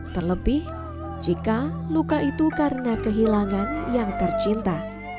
terlebih jika luka itu karena kehilangan yang tercinta